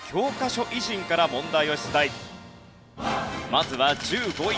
まずは１５位。